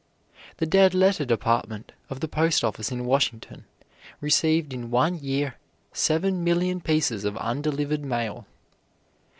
The dead letter department of the Post Office in Washington received in one year seven million pieces of undelivered mail.